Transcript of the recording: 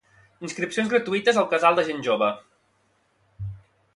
Inscripcions gratuïtes al casal de gent jove.